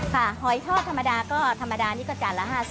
หอยทอดธรรมดาก็ธรรมดานี่ก็จานละ๕๐